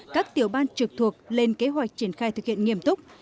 các tiểu ban trực thuộc lên kế hoạch triển khai thực hiện nghiêm túc